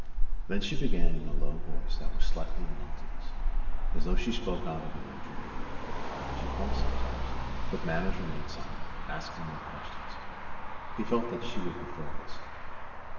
Then she began in a low voice that was slightly monotonous, as though she spoke out of an old dream. She paused sometimes; but Manners remained silent, asking no questions. He felt that she would prefer this.